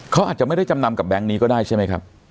เขาอาจจะไม่ได้จำนำกับแก๊งนี้ก็ได้ใช่ไหมครับ